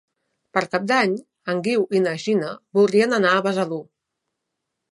Per Cap d'Any en Guiu i na Gina voldrien anar a Besalú.